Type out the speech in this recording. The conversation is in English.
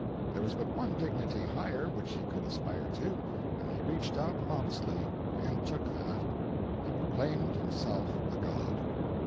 There was but one dignity higher which he could aspire to, and he reached out modestly and took that—he proclaimed himself a God!